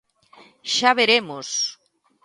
¡Xa veremos!